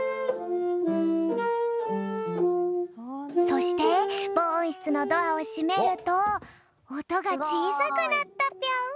そしてぼうおんしつのドアをしめるとおとがちいさくなったぴょん。